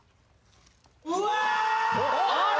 うわ！